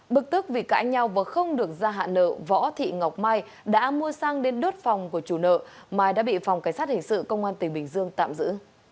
bực tức vì cãi nhau và không được ra hạ nợ võ thị ngọc mai đã mua xăng đến đốt phòng của chủ nợ mai đã bị phòng cảnh sát hình sự công an tỉnh bình dương tạm giữ